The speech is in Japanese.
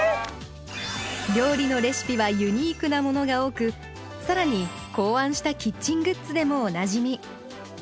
料理のレシピはユニークなものが多く更に考案したキッチングッズでもおなじみ。